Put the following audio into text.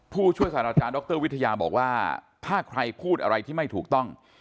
ผู้ช่วยศาสตราจารย์ดรวิทยาบอกว่าถ้าใครพูดอะไรที่ไม่ถูกต้อง